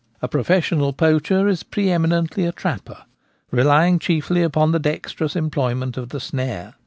A professional poacher is pre eminently a trapper, relying chiefly upon the dexterous employment of the snare.